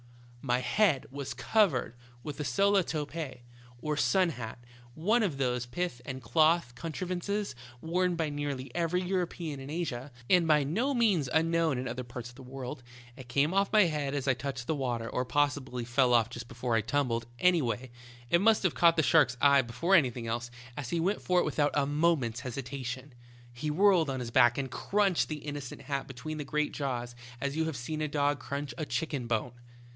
" My head was covered with a sola topee, or sun hat, one of those pith and cloth contrivances worn by nearly every European in Asia, and by no means unknown in other parts of the world. It came off my head as I touched the water, or possi bly fell off just before I tumbled ; anyway, it must have caught the shark's eye before anything else, as he went for it without a moment's hesitation. He whirled on his back and crunched the innocent hat between his great jaws as you have seen a dog crunch a chicken bone.